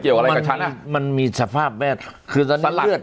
เกี่ยวกับอะไรกับฉันอ่ะมันมีสภาพแบบคือตอนนี้สันหลัด